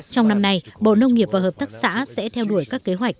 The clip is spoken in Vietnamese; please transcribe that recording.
trong năm nay bộ nông nghiệp và hợp tác xã sẽ theo đuổi các kế hoạch